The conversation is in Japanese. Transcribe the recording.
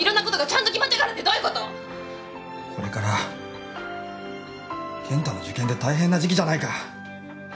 これから健太の受験で大変な時期じゃないか。